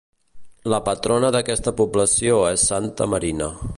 La patrona d'aquesta població és Santa Marina.